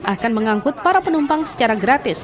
akan mengangkut para penumpang secara gratis